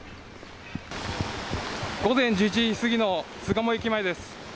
午前１１時過ぎの巣鴨駅前です。